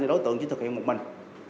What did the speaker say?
đối tượng chỉ thực hiện một mình